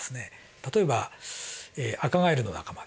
例えばアカガエルの仲間ですね。